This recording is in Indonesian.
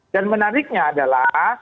dan menariknya adalah